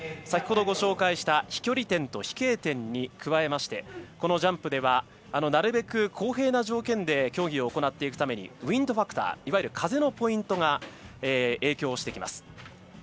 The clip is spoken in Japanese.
先ほど、ご紹介した飛距離点と飛型点に加えましてこのジャンプではなるべく公平な条件で競技を行っていくためにウインドファクター風のポイント影響してきます。